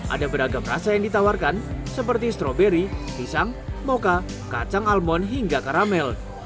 ada beragam rasa yang ditawarkan seperti stroberi pisang mocha kacang almond hingga karamel